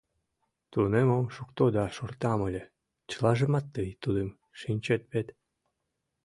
Тунем ом шукто да шортам ыле, Чылажымат тый тудым шинчет вет